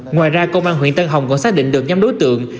ngoài ra công an huyện tân hồng còn xác định được nhóm đối tượng